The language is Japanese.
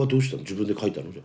自分で書いたの？